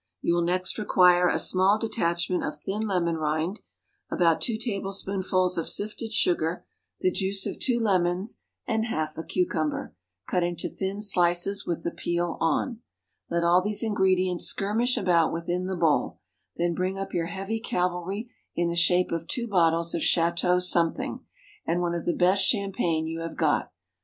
You will next require a small detachment of thin lemon rind, about two tablespoonfuls of sifted sugar, the juice of two lemons, and half a cucumber, cut into thin slices, with the peel on. Let all these ingredients skirmish about within the bowl; then bring up your heavy cavalry in the shape of two bottles of Château something, and one of the best champagne you have got.